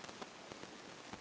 hệ thống giao thông là cơ sở